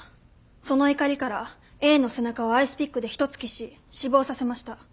その怒りからＡの背中をアイスピックで一突きし死亡させました。